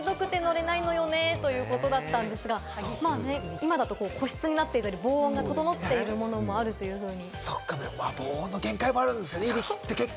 今だと個室になっていたり、防音が整っているものもあるというふうに。